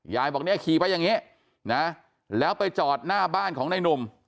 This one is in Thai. ยายบอกเนี่ยขี่ไปอย่างนี้นะแล้วไปจอดหน้าบ้านของนายหนุ่ม